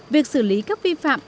việc xử lý các vi phạm